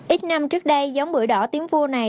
ít năm trước đây giống bưởi đỏ tiếng vua này